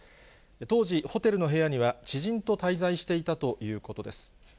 当時、ホテルの部屋には知人と滞在していたということです。